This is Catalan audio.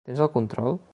Tens el control?